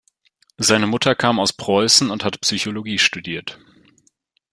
Seine Mutter kam aus Preußen und hatte Psychologie studiert.